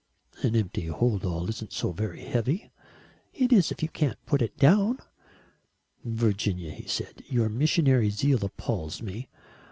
"An empty hold all isn't so very heavy." "It is if you can't put it down." "Virginia," he said, "your missionary zeal appals me.